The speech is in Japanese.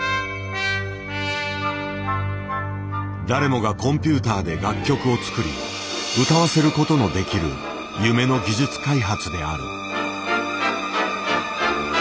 誰もがコンピューターで楽曲を作り歌わせることのできる夢の技術開発である。